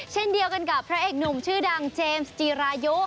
เช่นเดียวกันกับพระเอกหนุ่มชื่อดังเจมส์จีรายุ